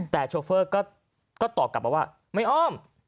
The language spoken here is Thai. แต่โชเฟอร์ก็ตอบกลับมาว่าไม่อ้อม